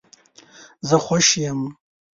زه خوش یم